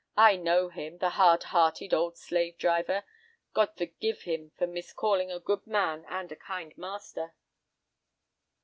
I know him, the hard hearted old slave driver!" God forgive him for miscalling a good man and a kind master.